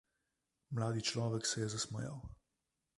Mladi človek se je zasmejal.